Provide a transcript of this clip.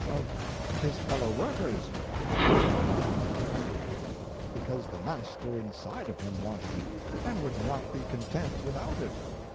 Of "his fellow workers." Why did he want that? Because the Master inside of him wanted it, and would not be content without it.